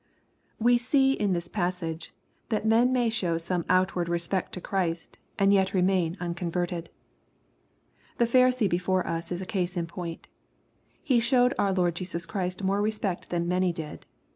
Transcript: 23£ We see in ills passage that men may show some outward respect to Christ, and yet remain unconverted. The Pharisee before us is a case in point. He showed our Lord Jesus Christ more respect than many did.